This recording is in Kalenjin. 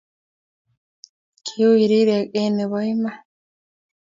Kiu rirek eng nebo iman